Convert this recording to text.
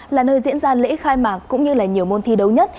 là nơi diễn ra lễ khai mạc cũng như là nhiều môn thi đấu nhất